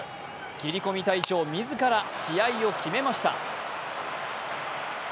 切り込み隊長自ら試合を決めました。